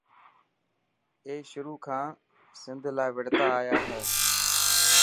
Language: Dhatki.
اي شروع کان سنڌ لاءِ وڙهتا آيا هي.